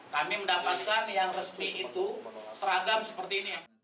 kami mendapatkan yang resmi itu seragam seperti ini